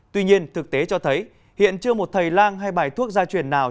tuy nhiên thực tế cho thấy hiện chưa một thầy lang hay bài thuốc gia truyền nào